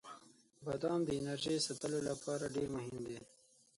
• بادام د انرژۍ ساتلو لپاره ډیر مهم دی.